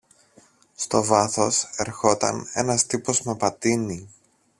Στο βάθος ερχόταν ένας τύπος με πατίνι